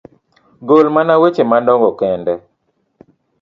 gol mana weche madongo kende.